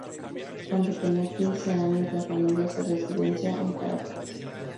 Cuando tenía quince años, la familia se residencia en Caracas.